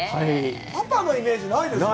パパのイメージ、ないですね。